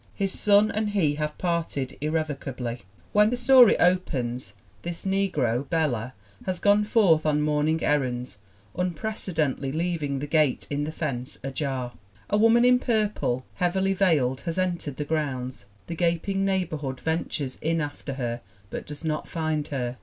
His son and he have parted irrevocably. When the story opens this negro, Bela, has gone forth on morning errands, unprecedentedly leaving the gate in the fence ajar! A woman in purple, heavily veiled, has entered the grounds. The gaping neighbor hood ventures in after her but does not find her.